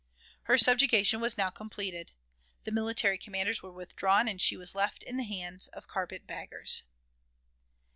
Her subjugation was now completed. The military commanders were withdrawn, and she was left in the hands of "carpet baggers."